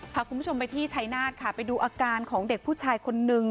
พาคุณผู้ชมไปที่ชัยนาธค่ะไปดูอาการของเด็กผู้ชายคนนึง